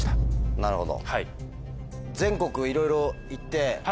なるほど。